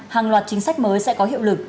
hàng loạt chính sách mới sẽ có hiệu lực